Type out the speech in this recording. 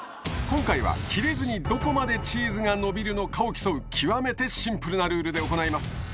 今回は切れずにどこまでチーズが伸びるのかを競う極めてシンプルなルールで行います。